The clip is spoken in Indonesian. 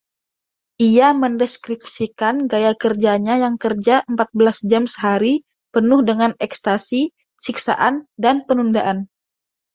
Ia mendeskripsikan gaya kerjanya yang kerja empat belas jam sehari penuh dengan ekstasi, siksaan dan penundaan.